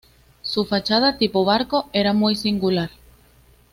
Su fachada tipo Barco era muy singular.